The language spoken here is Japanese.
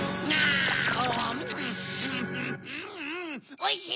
おいしい！